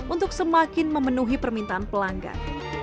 untuk semakin memenuhi permintaan pelanggan